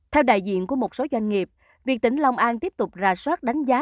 theo đại diện của một số doanh nghiệp việc tỉnh long an tiếp tục ra soát đánh giá